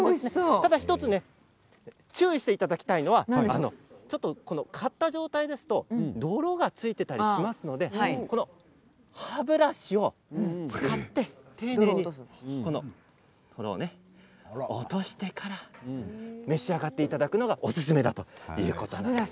ただ１つ注意していただきたいのは買った状態ですと泥が付いていたりしますのでこの歯ブラシを使って丁寧にこの泥を落としてから召し上がっていただくのがおすすめだということです。